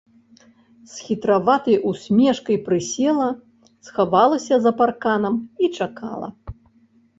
З хітраватай усмешкай прысела, схавалася за парканам і чакала.